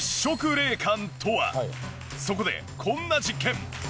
そこでこんな実験。